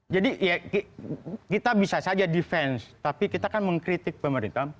jadi ya kita bisa saja defense tapi kita kan mengkritik pemerintah